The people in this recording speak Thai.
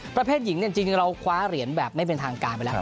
ประเภทหญิงจริงเราคว้าเหรียญแบบไม่เป็นทางการไปแล้ว